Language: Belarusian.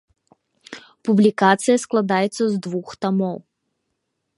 Публікацыя складаецца з двух тамоў.